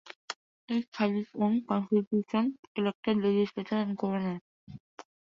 Each has its own constitution, elected legislature, and governor.